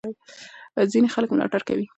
ځینې خلک ملاتړ کوي.